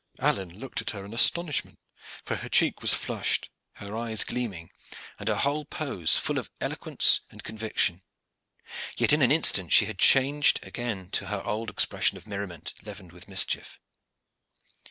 Alleyne looked at her in astonishment, for her cheek was flushed, her eyes gleaming, and her whole pose full of eloquence and conviction. Yet in an instant she had changed again to her old expression of merriment leavened with mischief.